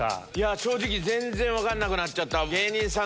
正直全然分かんなくなっちゃった。